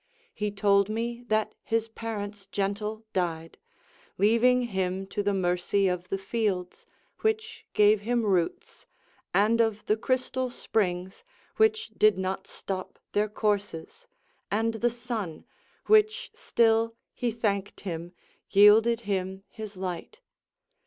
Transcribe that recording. He told me that his parents gentle died, Leaving him to the mercy of the fields, Which gave him roots; and of the crystal springs, Which did not stop their courses; and the sun, Which still, he thanked him, yielded him his light.